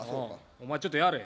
お前ちょっとやれ。